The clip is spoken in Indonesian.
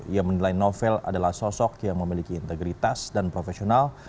ia menilai novel adalah sosok yang memiliki integritas dan profesional